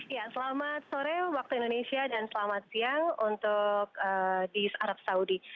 ya selamat sore waktu indonesia dan selamat siang untuk di arab saudi